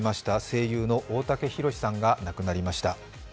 声優の大竹宏さんが亡くなりました。